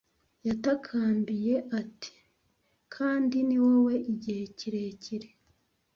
Yatakambiye ati: 'Kandi ni wowe, igihe kirekire?